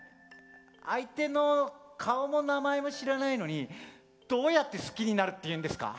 相手の顔も名前も知らないのにどうやって好きになるっていうんですか？